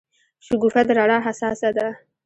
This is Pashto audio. شګوفه د رڼا حساسه ده.